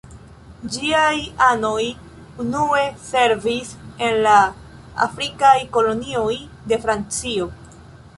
Ĝiaj anoj unue servis en la afrikaj kolonioj de Francio.